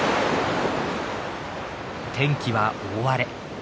天気は大荒れ。